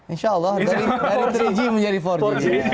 insya allah dari tiga g menjadi empat g